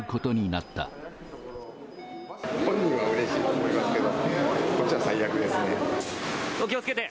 本人はうれしいと思いますけお気をつけて。